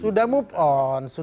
sudah move on